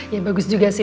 ya bagus juga sih